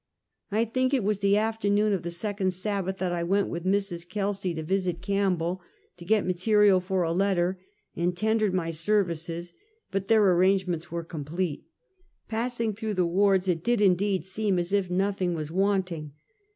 I think it was the afternoon of the second Sabbath that I went with Mrs. Kelsej to visit Campbell, to get material for a letter, and tendered mj services, but their arrangements were complete. Pass ing through the wards it did indeed seem as if noth ing was wanting.